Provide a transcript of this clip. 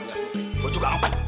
gue juga empat